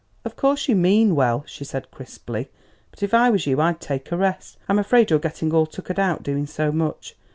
"Of course you mean well," she said crisply; "but if I was you I'd take a rest; I'm afraid you're getting all tuckered out doing so much.